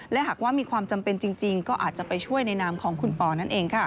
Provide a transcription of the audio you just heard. และหากว่ามีความจำเป็นจริงก็อาจจะไปช่วยในนามของคุณปอนั่นเอง